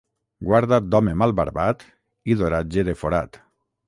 Guarda't d'home mal barbat i d'oratge de forat.